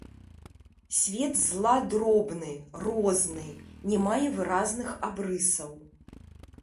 Свет зла дробны, розны, не мае выразных абрысаў.